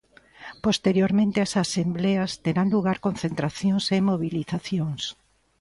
Posteriormente ás asembleas terán lugar concentracións e mobilizacións.